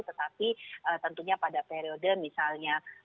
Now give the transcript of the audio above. tetapi tentunya pada periode misalnya